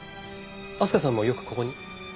明日香さんもよくここに？